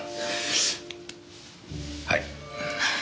はい。